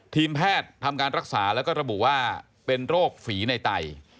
ทีมแพทย์ทำการรักษาแล้วก็ระบุว่าเป็นโรคฝีในไต